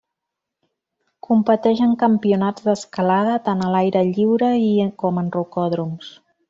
Competeix en campionats d'escalada tant a l'aire lliure i com en rocòdroms.